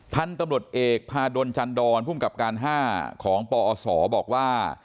พันธ์ตำรวจเอกพาดลจันดรผู้กรรมการห้าของปสบอกว่า